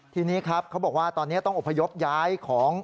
ทีนี้ครับเขาบอกว่าตอนนี้ต้องอบพยพย้ายของ